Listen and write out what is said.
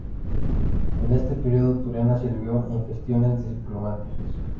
En este periodo, Turena sirvió en gestiones diplomáticas.